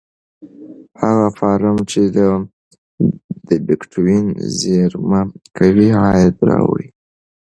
هغه فارم چې بېټکوین زېرمه کوي عاید راوړي.